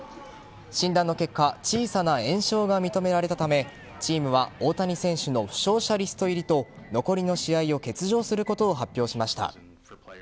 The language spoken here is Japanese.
診断の結果小さな炎症が認められたためチームは大谷選手の負傷者リスト入りと残りの試合を欠場することを発表しました。